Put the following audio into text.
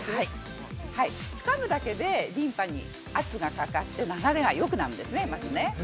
つかむだけで、リンパに圧がかかって流れがよくなるんですね。